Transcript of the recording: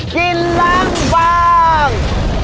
กินล้างบาง